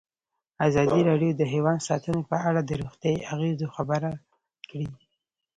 ازادي راډیو د حیوان ساتنه په اړه د روغتیایي اغېزو خبره کړې.